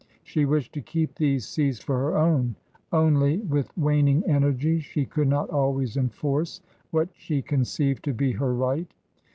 She wished to keep these seas for her own; only, with waning energies, she could not always enforce what she conceived to be her right.